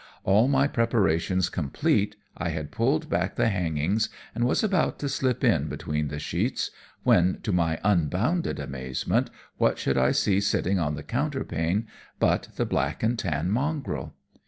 All my preparations complete, I had pulled back the hangings, and was about to slip in between the sheets, when, to my unbounded amazement, what should I see sitting on the counterpane but the black and tan mongrel.